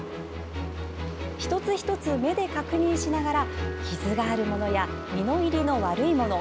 一つ一つ、目で確認しながら傷があるものや実の入りの悪いもの